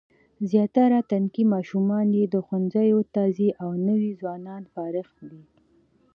زیاتره تنکي ماشومان یې ښوونځیو ته ځي او نوي ځوانان فارغ دي.